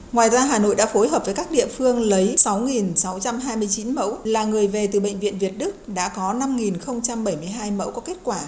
ngoài ra hà nội đã phối hợp với các địa phương lấy sáu sáu trăm hai mươi chín mẫu là người về từ bệnh viện việt đức đã có năm bảy mươi hai mẫu có kết quả